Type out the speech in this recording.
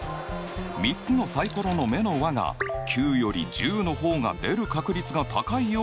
３つのサイコロの目の和が９より１０の方が出る確率が高いように感じる。